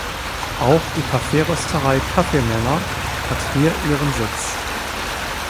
Auch die Kaffeerösterei "Kaffeemänner" hat hier ihren Sitz.